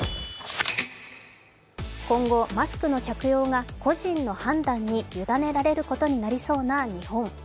今後、マスクの着用が個人の判断に委ねられることになりそうな日本。